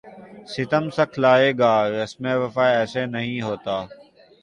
ستم سکھلائے گا رسم وفا ایسے نہیں ہوتا